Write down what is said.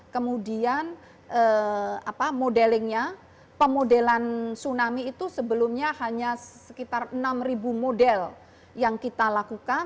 kemudian modelingnya pemodelan tsunami itu sebelumnya hanya sekitar enam model yang kita lakukan